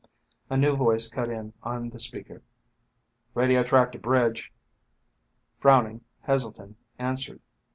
A new voice cut in on the speaker. "Radio track to bridge." Frowning, Heselton answered.